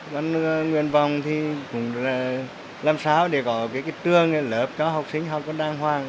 còn nguyện vọng thì cũng làm sao để có cái trường lớp cho học sinh học đàng hoàng